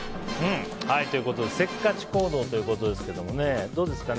せっかち行動ということですけどどうですか？